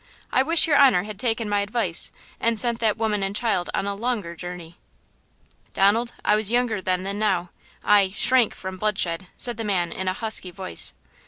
I wish your honor had taken my advice and sent that woman and child on a longer journey." "Donald, I was younger then than now. I–shrank from bloodshed," said the man in a husky voice.